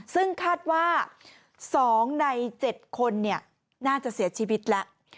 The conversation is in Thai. ซึ่งคาดว่า๒ใน๗คนน่าจะเสียชีวิตแล้ว